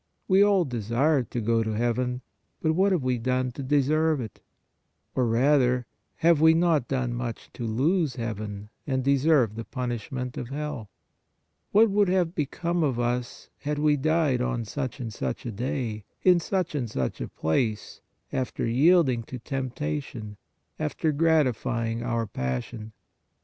We all desire to go to heaven, but what have we done to deserve it? Or rather, have we not done much to lose heaven and deserve the punishment of hell? What would have become of us, had we died on such and such a day, in such and such a place, after yielding to tempta tion, after gratifying our passion?